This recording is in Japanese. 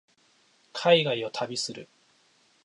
海外を旅する